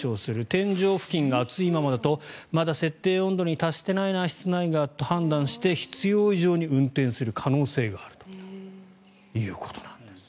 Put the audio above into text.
天井付近が暑いままだとまだ設定温度に達していないな室内がと判断して必要以上に運転する可能性があるということなんです。